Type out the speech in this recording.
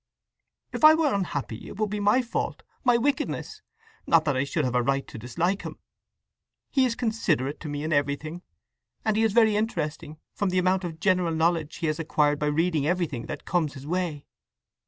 "If I were unhappy it would be my fault, my wickedness; not that I should have a right to dislike him! He is considerate to me in everything; and he is very interesting, from the amount of general knowledge he has acquired by reading everything that comes in his way.